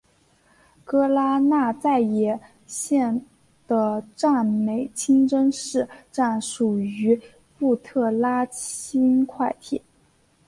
格拉那再也线的占美清真寺站属于布特拉轻快铁。